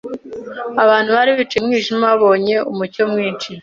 Abantu bari bicaye mu mwijima babonye umucyo mwinshi.